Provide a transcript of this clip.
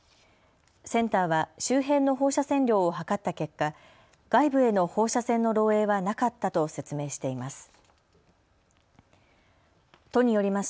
センターは周辺の放射線量をはかった結果、外部への放射線の漏えいはなかったと説明しています。